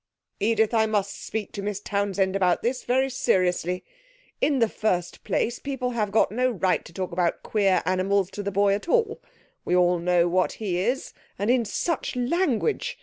'Edith, I must speak to Miss Townsend about this very seriously. In the first place, people have got no right to talk about queer animals to the boy at all we all know what he is and in such language!